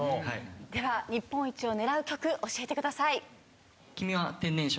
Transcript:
では日本一を狙う曲教えてください。